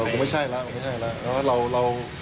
คงไม่ใช่แล้วไม่ใช่แล้ว